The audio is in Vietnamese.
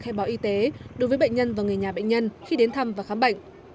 khai báo y tế đối với bệnh nhân và người nhà bệnh nhân khi đến thăm và khám bệnh